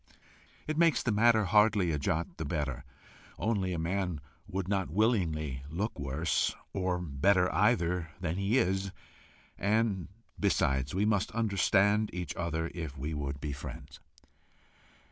It makes the matter hardly a jot the better, only a man would not willingly look worse, or better either, than he is, and besides, we must understand each other if we would be friends.